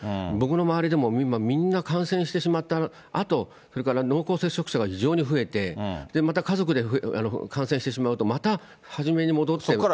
僕の周りでも、今、みんな感染してしまったあと、それから濃厚接触者が非常に増えて、また家族で感染してしまうと、また初めに戻ってる。